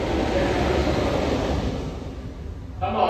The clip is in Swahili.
muziki tuje kwenye ufundi wenyewe